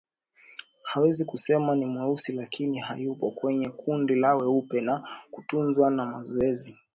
huwezi kusema ni mweusi lakini hayupo kwenye kundi la weupe na kutunzwa na mazoezi